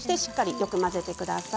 しっかりよく混ぜてください。